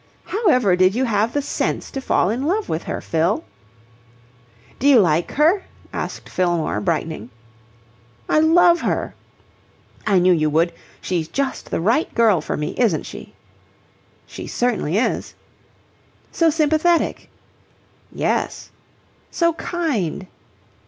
"However did you have the sense to fall in love with her, Fill?" "Do you like her?" asked Fillmore, brightening. "I love her." "I knew you would. She's just the right girl for me, isn't she?" "She certainly is." "So sympathetic." "Yes." "So kind."